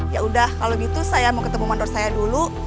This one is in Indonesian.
ya udah kalau gitu saya mau ketemu mandor saya dulu